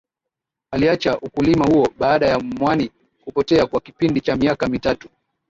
Aliacha ukulima huo baada ya mwani kupotea kwa kipindi cha miaka mitatu